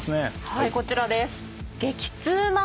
はいこちらです。